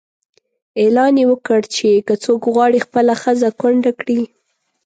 اعلان یې وکړ چې که څوک غواړي خپله ښځه کونډه کړي.